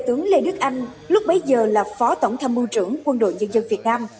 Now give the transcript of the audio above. tướng lê đức anh lúc bấy giờ là phó tổng tham mưu trưởng quân đội nhân dân việt nam